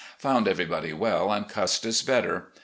Found everybody well and Custis better.